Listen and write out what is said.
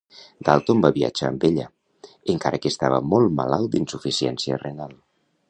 Dalton va viatjar amb ella, encara que estava molt malalt d'insuficiència renal.